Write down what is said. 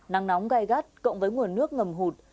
nắng nóng gai gắt cộng với nguồn nước ngầm hụt